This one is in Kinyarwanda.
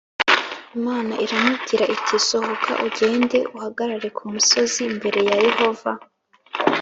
Imana iramubwira iti sohoka ugende uhagarare ku musozi imbere ya Yehova